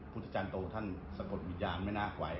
พุทธจันโตท่านสะกดวิญญาณไม่น่าไหว